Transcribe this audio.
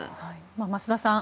増田さん